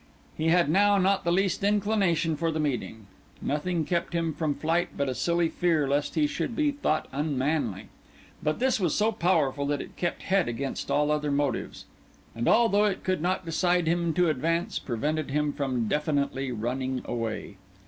He had now not the least inclination for the meeting; nothing kept him from flight but a silly fear lest he should be thought unmanly; but this was so powerful that it kept head against all other motives; and although it could not decide him to advance, prevented him from definitely running away.